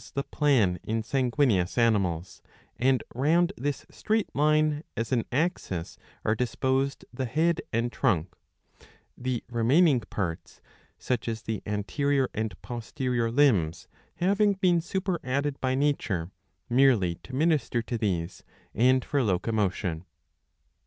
the plan in sanguineous animals ; and round this straight line as an axis are disposed the head and trunk ; the remaining parts, such as the anterior and posterior limbs, having been super added by nature, merely to minister to these and for locomotion.